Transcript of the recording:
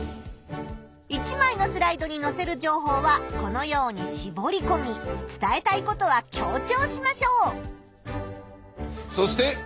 １まいのスライドにのせる情報はこのようにしぼりこみ伝えたいことは強調しましょう！